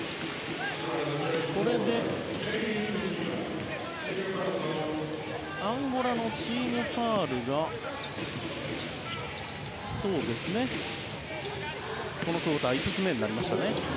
これでアンゴラのチームファウルがこのクオーター５つ目。